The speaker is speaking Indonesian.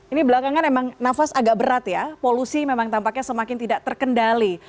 ini belakangan emang nafas agak berat ya polusi memang tampaknya semakin tidak terkendali